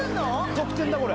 得点だこれ。